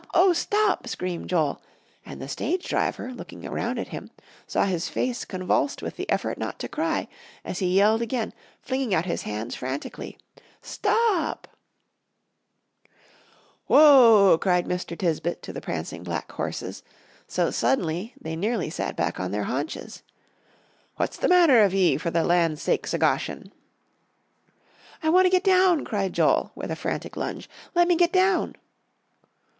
oh, stop!" screamed Joel, and the stage driver, looking around at him, saw his face convulsed with the effort not to cry, as he yelled again, flinging out his hands frantically, "Stop!" [Illustration: "'CRACK SNAP!' WENT MR. TISBETT'S WHIP"] "Whoa!" cried Mr. Tisbett to the prancing black horses, so suddenly they nearly sat back on their haunches. "What's the matter of ye, for the land's sakes o' Goshen?" "I want to get down," cried Joel, with a frantic lunge. "Let me get down!"